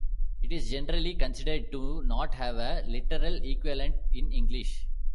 It is generally considered to not have a literal equivalent in English.